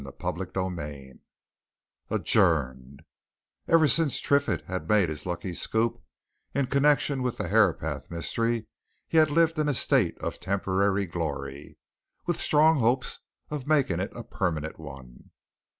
CHAPTER XIII ADJOURNED Ever since Triffitt had made his lucky scoop in connection with the Herapath Mystery he had lived in a state of temporary glory, with strong hopes of making it a permanent one.